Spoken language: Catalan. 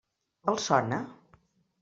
Els sona?